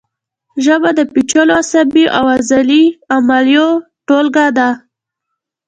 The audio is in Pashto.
ژبه د پیچلو عصبي او عضلي عملیو ټولګه ده